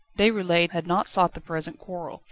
Déroulède had not sought the present quarrel.